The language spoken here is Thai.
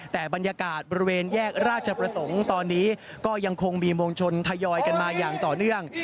แต่บรรยากาศบริเวณแยกราชประสงค์ตอนนี้ก็ยังคงมีมวลชนทยอยกันมาอย่างต่อเนื่อง